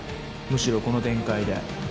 むしろこの展開で。